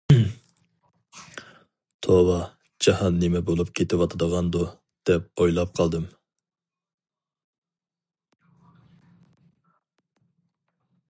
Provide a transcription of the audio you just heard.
توۋا، جاھان نېمە بولۇپ كېتىۋاتىدىغاندۇ دەپ ئويلاپ قالدىم.